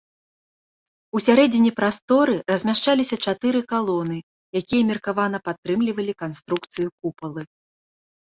Усярэдзіне прасторы размяшчаліся чатыры калоны, якія меркавана падтрымлівалі канструкцыю купалы.